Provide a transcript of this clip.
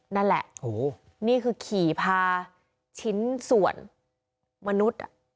นั่นแหละนี่คือขี่พาชิ้นส่วนมนุษย์